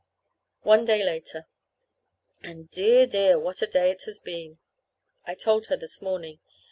One day later. And, dear, dear, what a day it has been! I told her this morning.